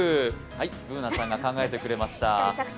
Ｂｏｏｎａちゃんが考えてくれました。